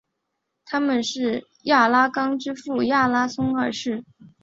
他们是亚拉冈之父亚拉松二世。